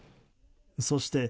そして、